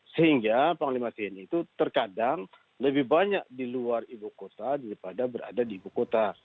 sehingga panglima tni itu terkadang lebih banyak di luar ibu kota daripada berada di ibu kota